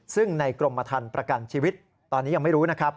ซึ่งในกรมธรรมประกันชีวิตตอนนี้ยังไม่รู้นะครับ